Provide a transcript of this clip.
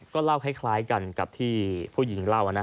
ก็เล่าคล้ายกันกับที่